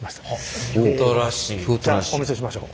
じゃあお見せしましょう。